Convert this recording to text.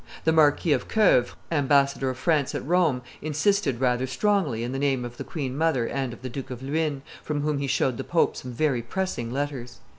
The Marquis of Coeuvres, ambassador of France at Rome, insisted rather strongly, in the name of the queen mother and of the Duke of Luynes, from whom he showed the pope some very pressing letters.